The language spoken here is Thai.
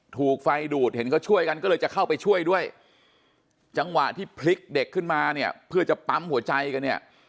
ถูกไฟดูดเห็นเขาช่วยกันก็เลยจะเข้าไปช่วยด้วยจังหวะที่พลิกเด็กขึ้นมาเนี่ยเพื่อจะปั๊มหัวใจกันเนี่ย